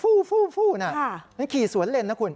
ฟู้ฟู้ฟู้น่ะนี่ขี่สวนเล่นนะคุณ